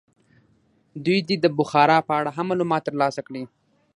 دوی دې د بخارا په اړه هم معلومات ترلاسه کړي.